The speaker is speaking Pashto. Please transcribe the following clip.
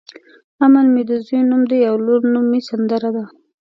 امن مې د ځوی نوم دی د لور نوم مې سندره ده.